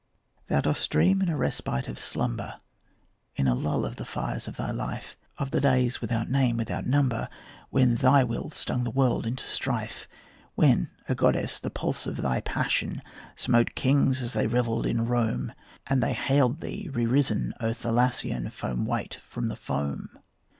Dost thou dream, in a respite of slumber, In a lull of the fires of thy life, Of the days without name, without number, When thy will stung the world into strife; When, a goddess, the pulse of thy passion Smote kings as they revelled in Rome; And they hailed thee re risen, O Thalassian, Foam white, from the foam?